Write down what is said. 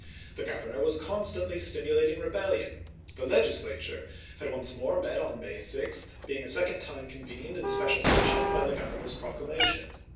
The Grovernor was constantly stimulating rebellion. The Legislature had once 1861. more met on May 6, being a second time convened in special session by the Governor's proclamation.